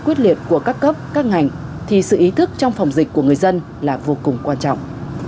quyết liệt của các cấp các ngành thì sự ý thức trong phòng dịch của người dân là vô cùng quan trọng